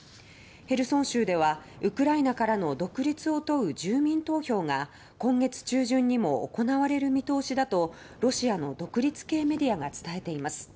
ヘルソン州ではウクライナからの独立を問う住民投票が今月中旬にも行われる見通しだとロシアの独立系メディアが伝えています。